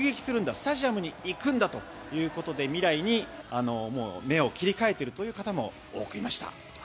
スタジアムに行くんだということで未来に目を切り替えているという方も多くいました。